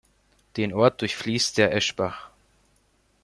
Den Ort durchfließt der Eschbach.